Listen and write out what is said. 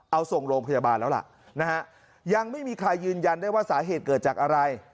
เอาส่งโรงพยาบาลแล้วล่ะนะฮะยังไม่มีใครยืนยันได้ว่าสาเหตุเกิดจากอะไร